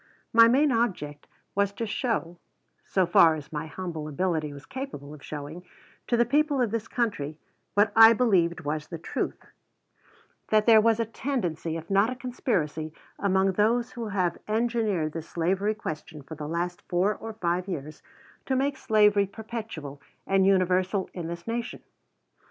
My main object was to show, so far as my humble ability was capable of showing, to the people of this country what I believed was the truth, that there was a tendency, if not a conspiracy, among those who have engineered this slavery question for the last four or five years, to make slavery perpetual and universal in this nation.